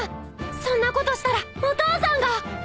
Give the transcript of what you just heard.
そんなことしたらお父さんが！